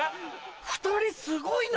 ２人すごいな！